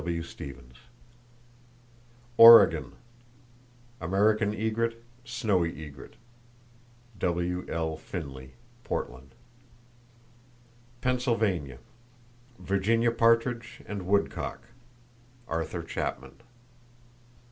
—(G.W. Stevens.) Oregon: American egret, snowy egret.—(W.L. Finley, Portland.) Pennsylvania: Virginia partridge and woodcock.—(Arthur Chapman.)